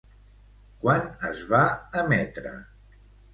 Quan es va emetre?